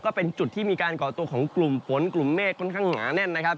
ก็เป็นจุดที่มีการก่อตัวของกลุ่มฝนกลุ่มเมฆค่อนข้างหนาแน่นนะครับ